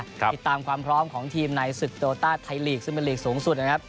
ติดตามความพร้อมของทีมในศึกโตต้าไทยลีกซึ่งเป็นลีกสูงสุดนะครับ